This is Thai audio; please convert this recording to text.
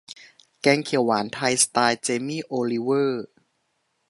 แกงเขียวหวานไทย สไตล์เจมี่ โอลิเวอร์